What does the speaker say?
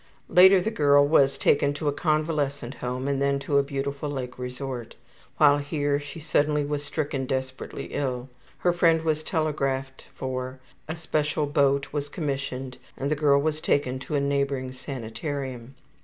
Later the girl was taken to a convalescent home and then to a beautiful lake resort. While here she suddenly was stricken desperately ill. Her friend was telegraphed for, a special boat was commissioned, and the girl was taken to a neighboring sanitarium.